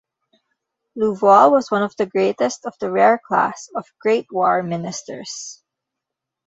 Louvois was one of the greatest of the rare class of great war ministers.